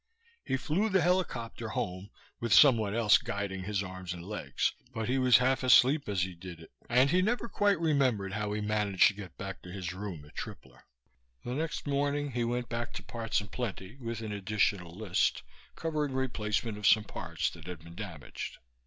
He flew the helicopter home, with someone else guilding his arms and legs, but he was half asleep as he did it, and he never quite remembered how he managed to get back to his room at Tripler. The next morning he went back to Parts 'n Plenty with an additional list, covering replacement of some parts that had been damaged.